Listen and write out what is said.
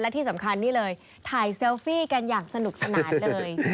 ที่สำคัญนี่เลยถ่ายเซลฟี่กันอย่างสนุกสนานเลย